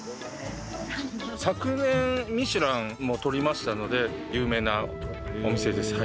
昨年ミシュランもとりましたので有名なお店ですはい。